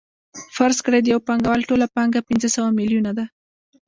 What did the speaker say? فرض کړئ د یو پانګوال ټوله پانګه پنځه سوه میلیونه ده